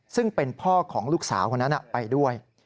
ซึ่งเป็นพ่อของลูกสาวคนนั้นไปด้วย